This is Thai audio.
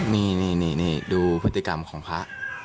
นี่นี่นี่นี่ดูพฤติกรรมของพระ